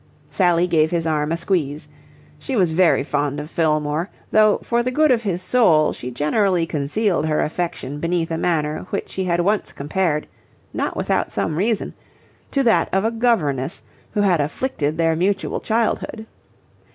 Sally gave his arm a squeeze. She was very fond of Fillmore, though for the good of his soul she generally concealed her affection beneath a manner which he had once compared, not without some reason, to that of a governess who had afflicted their mutual childhood.